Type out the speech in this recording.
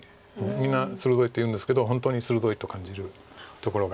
みんな鋭いっていうんですけど本当に鋭いと感じるところがあります。